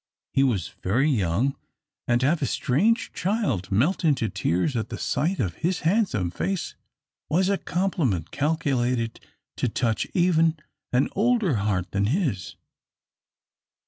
He was very young, and to have a strange child melt into tears at the sight of his handsome face was a compliment calculated to touch even an older heart than his.